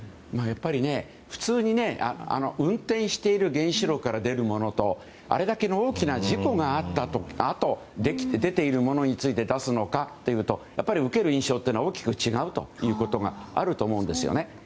普通に運転している原子炉から出るものとあれだけの大きな事故があったあとに出ているものについて出すのかというとやっぱり受ける印象は大きく違うということがあると思うんですよね。